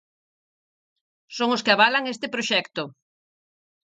Son os que avalan este proxecto.